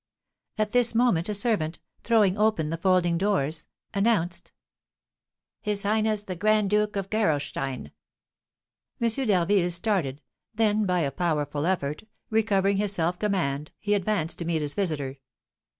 At this moment a servant, throwing open the folding doors, announced: "His Highness the Grand Duke of Gerolstein." M. d'Harville started; then, by a powerful effort, recovering his self command, he advanced to meet his visitor.